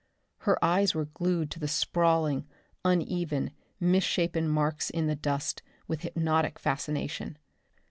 Her eyes were glued to the sprawling, uneven, misshapen marks in the dust with hypnotic fascination.